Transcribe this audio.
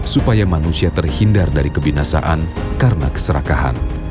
supaya manusia terhindar dari kebinasaan karena keserakahan